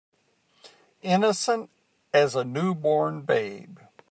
Innocent as a new born babe.